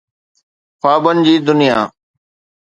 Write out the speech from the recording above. خوابن جي دنيا.